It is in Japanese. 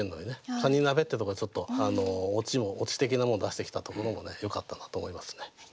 「カニ鍋」ってとこがちょっとオチ的なもの出してきたところもねよかったなと思いますね。